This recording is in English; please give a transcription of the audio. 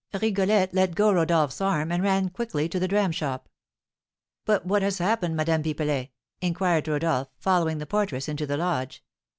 Rigolette let go Rodolph's arm, and ran quickly to the dram shop. "But what has happened, Madame Pipelet?" inquired Rodolph, following the porteress into the lodge.